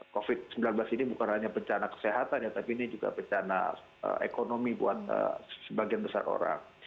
covid sembilan belas ini bukan hanya bencana kesehatan ya tapi ini juga bencana ekonomi buat sebagian besar orang